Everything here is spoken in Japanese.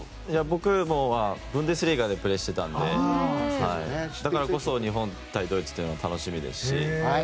僕はブンデスリーガでプレーしてたのでだからこそ日本対ドイツは楽しみです。